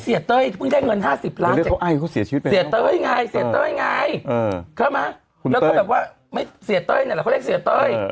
เสียเต้ยไงเข้ามาแล้วก็แบบว่าเสียเต้ยเนี่ยเขาเรียกเสียเต้ย